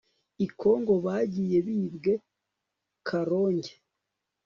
i kongo bagiye bibwe, kalonge